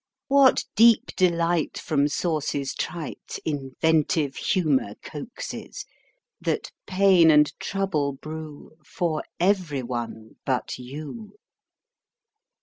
What deep delight from sources trite inventive humour coaxes, That pain and trouble brew For every one but you